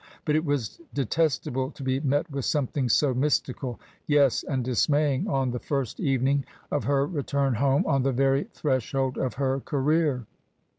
But it was detestable to be met with something so mystical — yes, and dismaying — on the first evening of her return home, on the very threshold of her career.